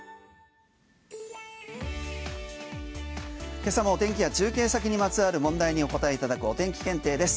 今朝の天気や中継先にまつわる問題にお答えいただくお天気検定です。